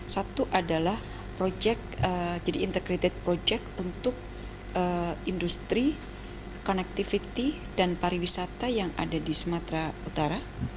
satu adalah proyek jadi integrated project untuk industri connectivity dan pariwisata yang ada di sumatera utara